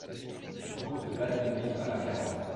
Route de Badménil à Baccarat